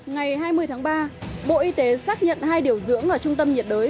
ngày hai mươi tháng ba bộ y tế xác nhận hai điều dưỡng ở trung tâm nhiệt đới